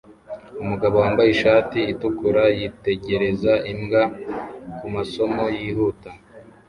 Umugabo wambaye ishati itukura yitegereza imbwa kumasomo yihuta